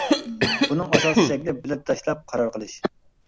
بۇنىڭ ئاساسىي شەكلى بىلەت تاشلاپ قارار قىلىش.